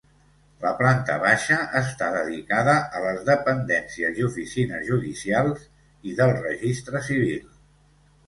La planta baixa està dedicada a les dependències i oficines judicials i del registre civil.